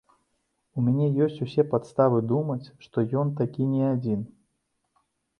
І ў мяне ёсць усе падставы думаць, што ён такі не адзін.